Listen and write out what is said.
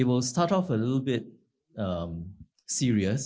ini akan mulai agak serius